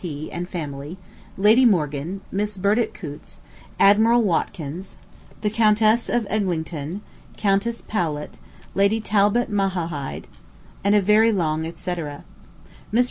P., and family, Lady Morgan, Miss Burdett Coutts, Admiral Watkins, the Countess of Eglinton, Countess Powlett, Lady Talbot Mala hide, and a very long et cetera. Mr.